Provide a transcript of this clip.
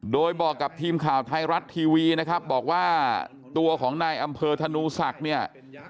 โดยบอกกับทีมข่าวไทยรัฐทีวีนะครับบอกว่าตัวของนายอำเภอธนูศักดิ์เนี่ย